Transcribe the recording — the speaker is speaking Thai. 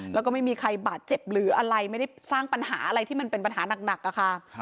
แล้วก็ไม่มีใครบาดเจ็บหรืออะไรไม่ได้สร้างปัญหาอะไรที่มันเป็นปัญหานักอะค่ะ